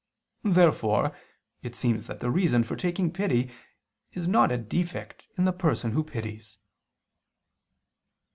Therefore it seems that the reason for taking pity is not a defect in the person who pities.